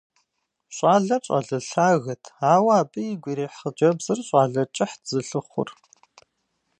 Щӏалэр щӏалэ лъагэт, ауэ абы игу ирихь хъыджэбзыр щӏалэ кӏыхьт зылъыхъур.